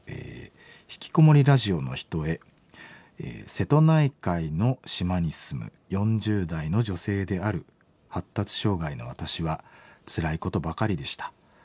瀬戸内海の島に住む４０代の女性である発達障害の私はつらいことばかりでした。